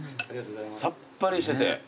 さっぱりしてて。